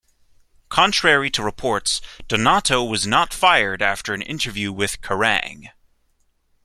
Contrary to reports, Donato was not fired after an interview with Kerrang!